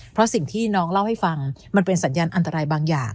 เพราะสิ่งที่น้องเล่าให้ฟังมันเป็นสัญญาณอันตรายบางอย่าง